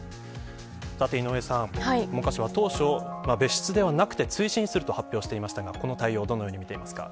さて、井上さん文科省は当初、別室ではなくて追試にすると発表していましたがこの対応はどうみていますか。